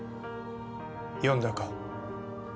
読んだか？